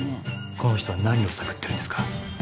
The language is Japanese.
この人は何を探ってるんですか？